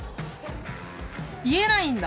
言えないんだ。